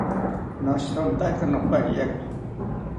Noshirontaka nopariaki